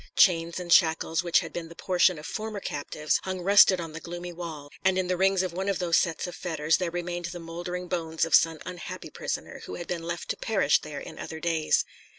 Chains and shackles, which had been the portion of former captives, hung rusted on the gloomy walls, and in the rings of one of those sets of fetters there remained the mouldering bones of some unhappy prisoner who had been left to perish there in other days.